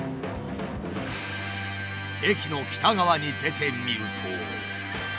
駅の北側に出てみると。